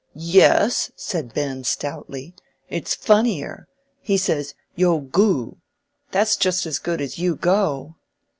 "Yes," said Ben, stoutly; "it's funnier. He says, 'Yo goo'—that's just as good as 'You go.